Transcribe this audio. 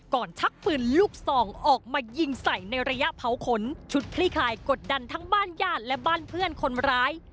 ชักปืนลูกซองออกมายิงใส่ในระยะเผาขนชุดคลี่คลายกดดันทั้งบ้านญาติและบ้านเพื่อนคนร้าย